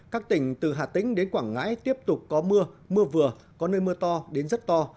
các tỉnh từ hà tĩnh đến quảng ngãi tiếp tục có mưa mưa vừa có nơi mưa to đến rất to